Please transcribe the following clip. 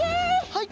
はい！